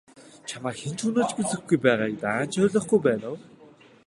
Чамайг хэн ч үнэлж үзэхгүй байгааг даанч ойлгохгүй байна уу?